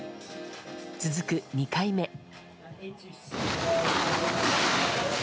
続く２回目。